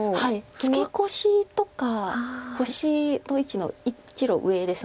ツケコシとか星の位置の１路上です。